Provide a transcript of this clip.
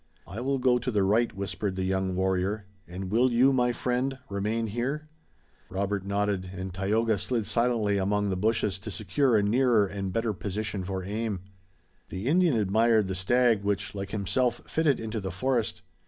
"I will go to the right," whispered the young warrior, "and will you, my friend, remain here?" Robert nodded, and Tayoga slid silently among the bushes to secure a nearer and better position for aim. The Indian admired the stag which, like himself, fitted into the forest.